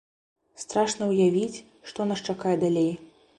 Страшна ўявіць, што нас чакае далей.